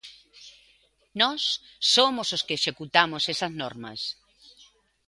Nós somos os que executamos esas normas.